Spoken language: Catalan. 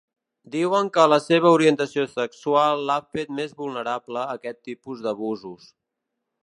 Diuen que la seva orientació sexual l'ha fet més vulnerable a aquest tipus d'abusos.